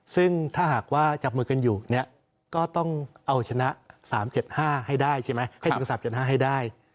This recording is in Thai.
ซึ่งถ้าหากว่าจับมือกันอยู่เนี่ยก็ต้องเอาชนะ๓๗๕ให้ได้ใช่ไหมให้ถึง๓๗๕ให้ได้